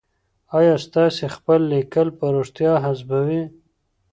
آيا تاسي خپل ليکل په رښتيا حذفوئ ؟